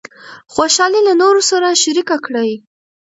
خوشحالي له نورو سره شریکه کړئ.